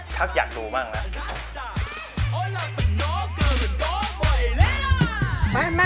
ฉันอยากดูบ้างนะ